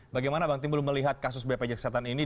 bagaimana bang timbul melihat kasus bpjs kesehatan ini